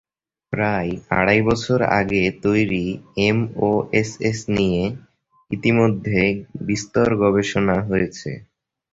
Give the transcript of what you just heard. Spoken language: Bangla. প্রায় আড়াই বছর আগে তৈরি এমওএসএস নিয়ে ইতিমধ্যে বিস্তর গবেষণা হয়েছে।